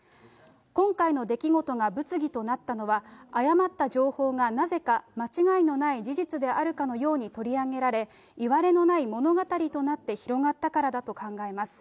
今回の出来事が物議となったのは、誤った情報がなぜか間違いのない事実であるかのように取り上げられ、いわれのない物語となって広がったからだと考えます。